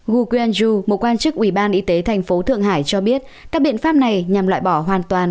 guquanju một quan chức ủy ban y tế thành phố thượng hải cho biết các biện pháp này nhằm loại bỏ hoàn toàn